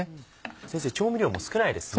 先生調味料も少ないですね。